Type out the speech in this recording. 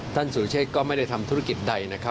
ท่านศูเชษก็ไม่ได้ทำธุรกิจใดนะครับ